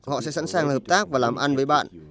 họ sẽ sẵn sàng hợp tác và làm ăn với bạn